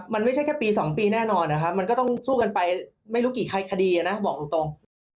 มันไม่ใช่แค่ปี๒ปีแน่นอนนะครับมันก็ต้องสู้กันไปไม่รู้กี่คดีนะบอกตรง